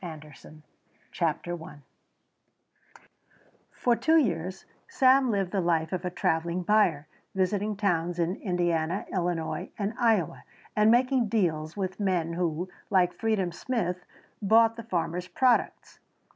BOOK II CHAPTER I For two years Sam lived the life of a travelling buyer, visiting towns in Indiana, Illinois, and Iowa, and making deals with men who, like Freedom Smith, bought the farmers' products.